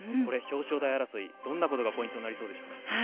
表彰台争い、どんなことがポイントになりますか。